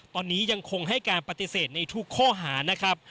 ตอนนี้ยังคงให้การปฏิเสธในทุกข้อหานะครับ